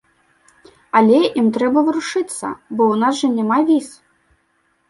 Але ім трэба варушыцца, бо ў нас жа няма віз.